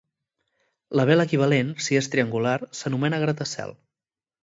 La vela equivalent, si és triangular, s'anomena gratacel.